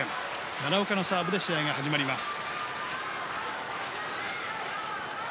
奈良岡のサーブで試合が始まります。